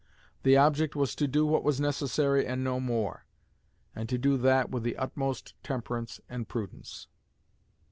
The object was to do what was necessary and no more; and to do that with the utmost temperance and prudence.